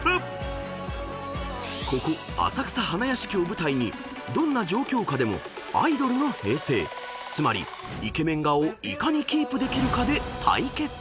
［ここ浅草花やしきを舞台にどんな状況下でもアイドルの平静つまりイケメン顔をいかにキープできるかで対決］